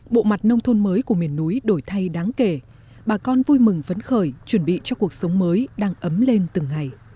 bộ mặt nông thôn mới của miền núi đổi thay đáng kể bà con vui mừng vấn khởi chuẩn bị cho cuộc sống mới đang ấm lên từng ngày